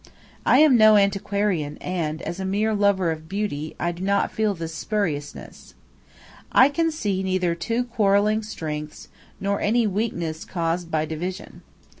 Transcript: I am no antiquarian, and, as a mere lover of beauty, I do not feel this "spuriousness." I can see neither two quarrelling strengths nor any weakness caused by division.